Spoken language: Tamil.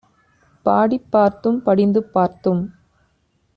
பாடிப் பார்த்தும் படிந்து பார்த்தும்